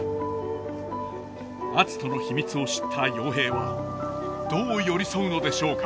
篤人の秘密を知った陽平はどう寄り添うのでしょうか。